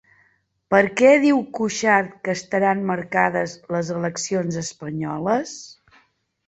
Per què diu Cuixart que estaran marcades les eleccions espanyoles?